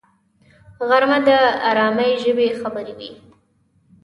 غرمه د آرامي ژبې خبرې وي